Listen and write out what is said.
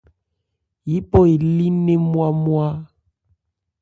Yípɔ elí nnɛn ńmwá-ńmwá.